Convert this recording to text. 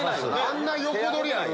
あんな横取りある？